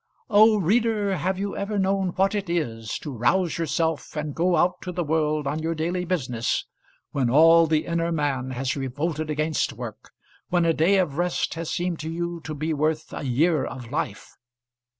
O reader, have you ever known what it is to rouse yourself and go out to the world on your daily business, when all the inner man has revolted against work, when a day of rest has seemed to you to be worth a year of life?